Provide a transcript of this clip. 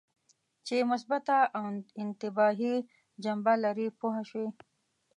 چې مثبته او انتباهي جنبه لري پوه شوې!.